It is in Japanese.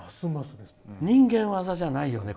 人間業じゃないよね。